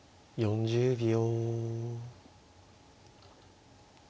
４０秒。